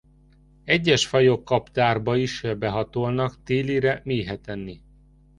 Egyes fajok kaptárba is behatolnak télire méhet enni.